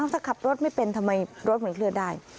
ถ้าขับรถไม่เป็นทำไมรถมันเคลื่อนได้